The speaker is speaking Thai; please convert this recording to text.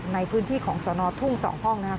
ในพื้นที่ของสนทุ่ง๒ห้องนะครับ